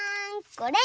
これ！